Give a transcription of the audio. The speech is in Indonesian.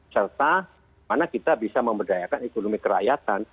serta mana kita bisa memberdayakan ekonomi kerakyatan